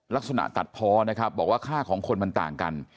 ลักษณะตัดพอนะครับบอกว่าค่าของคนมันต่างกัน